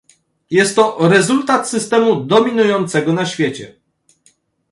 Jest to rezultat systemu dominującego na świecie